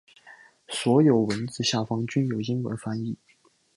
所有文字下方均有英文翻译。